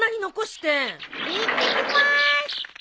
いってきまーす！